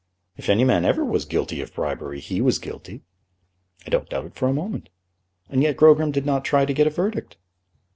"If any man ever was guilty of bribery, he was guilty!" "I don't doubt it for a moment." "And yet Grogram did not try to get a verdict."